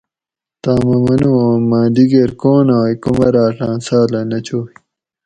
تم اۤ منُو اُوں مہ دِگیر کون ئ کُمراۤٹاۤں ساۤلہ نہ چوئ